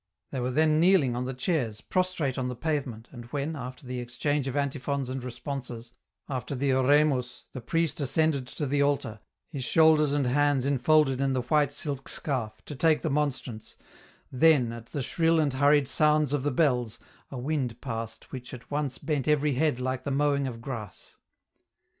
They were then kneeling on the chairs, prostrate on the pavement, and when, after the exchange of antiphons and responses, after the " oremus," the priest ascended to the altar, his shoulders and hands enfolded in the white silk scarf, to take the monstrance, then, at the shrill and hurried sounds of the bells, a wind passed which at once bent every head like the mowing of grass.